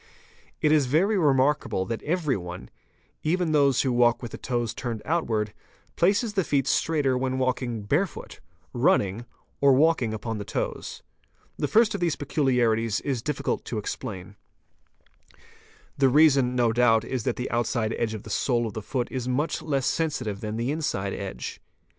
It is very remarkable that everyone, even those who walk with the toes turned outwards, places the feet straighter when walking barefoot, running, or walking upon the toes. The first of these peculiarities is difficult to explain: The reason no doubt is that the outside edge of the sole of the foot is much less sensitive than the inside edge.